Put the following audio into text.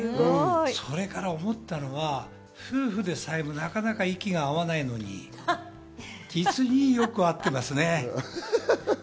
それから思ったのは、夫婦でさえもなかなか息が合わないのに、実によく合ってますね。